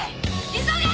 急げ！